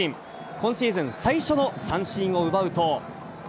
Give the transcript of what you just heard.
今シーズン最初の三振を奪うと。